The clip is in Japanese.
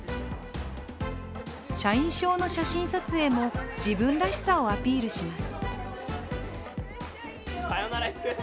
社員証の写真撮影も自分らしさをアピールします。